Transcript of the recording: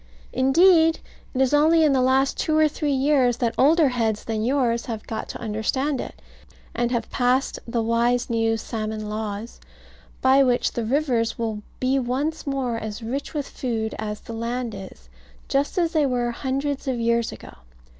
Indeed, it is only in the last two or three years that older heads than yours have got to understand it, and have passed the wise new salmon laws, by which the rivers will be once more as rich with food as the land is, just as they were hundreds of years ago.